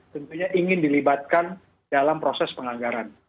tentunya ingin dilibatkan dalam proses penganggaran